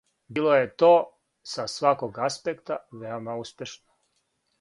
Било је то, са сваког аспекта, веома успешно.